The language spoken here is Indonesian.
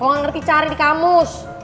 lo ga ngerti cari di kamus